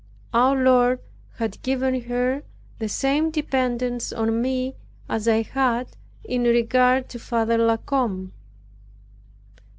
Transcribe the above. Our Lord had given her the same dependence on me, as I had in regard to Father La Combe.